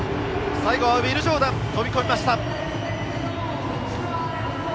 最後はウィル・ジョーダンが飛び込みました！